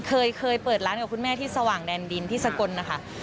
เคยเปิดร้านกับคุณแม่ที่สว่างแดนดินที่สกลนะคะ